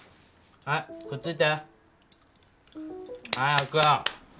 はいくっついて早く！